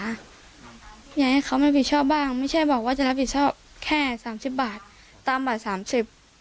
อยากให้เขามาผิดชอบบ้างไม่ใช่บอกว่าจะรับผิดชอบแค่สามสิบบาทตามบาทสามสิบ